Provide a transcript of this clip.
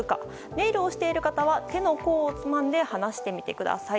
ネイルをしている方は手の甲をつまんで放してみてください。